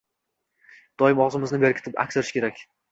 Doim og‘zimizni berkitib aksirish kerak.